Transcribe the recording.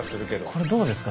これどうですか？